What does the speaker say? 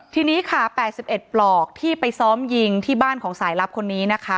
ทีนี้ค่ะ๘๑ปลอกที่ไปซ้อมยิงที่บ้านของสายลับคนนี้นะคะ